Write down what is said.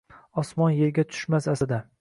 osmon yerga tushmas aslida